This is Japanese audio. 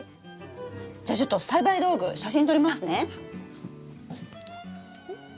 じゃちょっと栽培道具写真撮りますね！